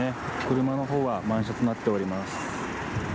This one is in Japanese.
車の方は満車となっております。